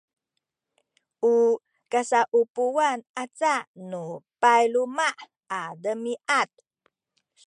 u kasaupuwan aca nu payluma’ a demiad